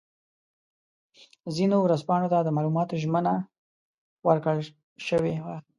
ځینو ورځپاڼو ته د معلوماتو ژمنه ورکړل شوې وه.